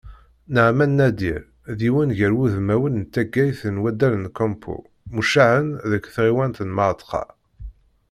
Naɛman Nadir, d yiwen gar wudmawen n taggayt n waddal n Kempo muccaεen deg tɣiwant n Mεatqa.